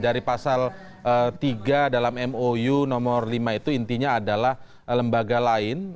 dari pasal tiga dalam mou nomor lima itu intinya adalah lembaga lain